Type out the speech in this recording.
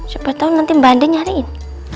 coba tau nanti mbak andin nyariin